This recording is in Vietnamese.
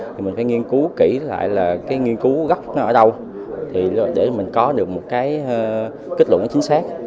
thì mình phải nghiên cứu kỹ lại là cái nghiên cứu gấp nó ở đâu để mình có được một cái kết luận nó chính xác